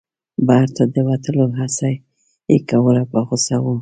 بهر ته د وتلو هڅه یې کوله په غوسه و.